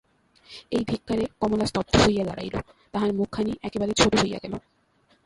এই ধিক্কারে কমলা স্তব্ধ হইয়া দাঁড়াইল, তাহার মুখখানি একেবারে ছোটো হইয়া গেল।